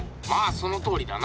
そのとおりだな。